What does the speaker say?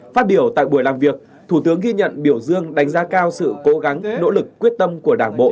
phát biểu tại buổi làm việc thủ tướng ghi nhận biểu dương đánh giá cao sự cố gắng nỗ lực quyết tâm của đảng bộ